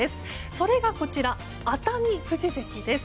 それが、こちら熱海富士関です。